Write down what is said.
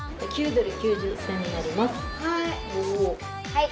はい。